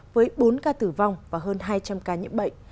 với bốn ca tử vong và hơn hai trăm linh ca nhiễm bệnh